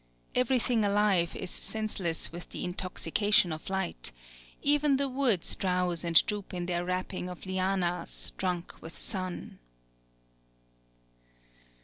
Everything alive is senseless with the intoxication of light; even the woods drowse and droop in their wrapping of lianas, drunk with sun....